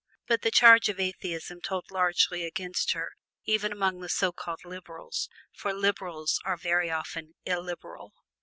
But the charge of atheism told largely against her even among the so called liberals, for liberals are often very illiberal.